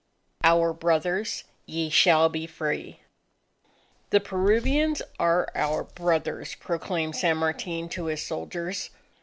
OUR BROTHERS, YE SHALL BE FREE! "The Peruvians are our brothers," proclaimed San Martin to his soldiers.